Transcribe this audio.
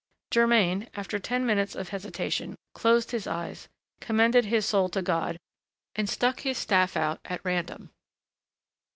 Germain, after ten minutes of hesitation, closed his eyes, commended his soul to God, and stuck his staff out at random.